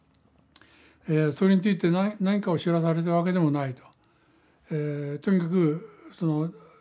それについて何かを知らされたわけでもないと。